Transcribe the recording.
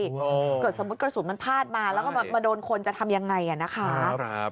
เกิดสมมุติกระสุนมันพาดมาแล้วก็มาโดนคนจะทำยังไงนะคะ